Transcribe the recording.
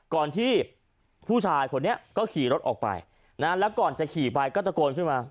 ก่อนที่ผู้ชายคนนี้ก็ขี่รถออกไปนะแล้วก่อนจะขี่ไปก็ตะโกนขึ้นมา